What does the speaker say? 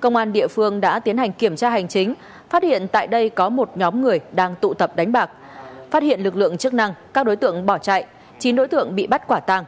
công an địa phương đã tiến hành kiểm tra hành chính phát hiện tại đây có một nhóm người đang tụ tập đánh bạc phát hiện lực lượng chức năng các đối tượng bỏ chạy chín đối tượng bị bắt quả tàng